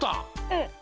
うん。